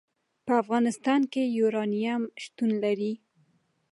په افغانستان کې یورانیم شتون لري.